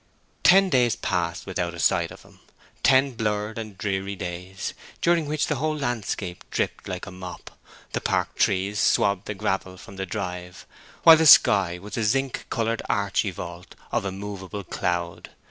Ten days passed without a sight of him; ten blurred and dreary days, during which the whole landscape dripped like a mop; the park trees swabbed the gravel from the drive, while the sky was a zinc coloured archi vault of immovable cloud.